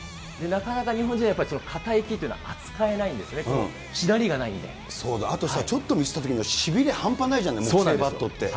なかなか日本人はやっぱり硬い木っていうのは扱えないんですね、このしなあとさ、ちょっとミスったときのしびれ、半端ないじゃない、木製バットって。